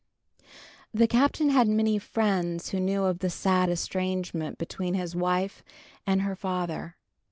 VIII. The Captain had many friends who knew of the sad estrangement between his wife and her father.